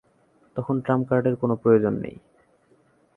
তখন ট্রাম কার্ডের কোন প্রয়োজন নেই।